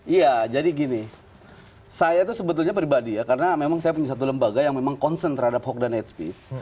iya jadi gini saya itu sebetulnya pribadi ya karena memang saya punya satu lembaga yang memang concern terhadap hoax dan hate speech